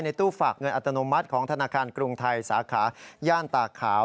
ตู้ฝากเงินอัตโนมัติของธนาคารกรุงไทยสาขาย่านตาขาว